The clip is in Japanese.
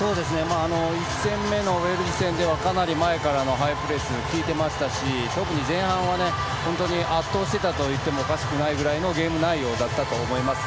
１戦目のウェールズ戦ではかなり前からのハイプレスが効いていましたし特に前半は本当に圧倒していたといってもおかしくないぐらいのゲーム内容だったと思います。